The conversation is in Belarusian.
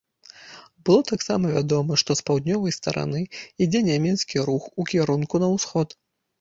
Было таксама вядома, што з паўднёвай стараны ідзе нямецкі рух у кірунку на ўсход.